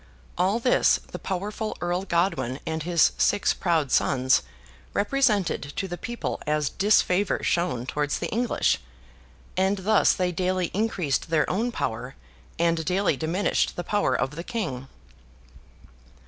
All this, the powerful Earl Godwin and his six proud sons represented to the people as disfavour shown towards the English; and thus they daily increased their own power, and daily diminished the power of the King.